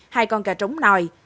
hai con cà trống nòi